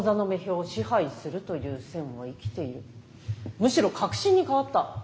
むしろ確信に変わった。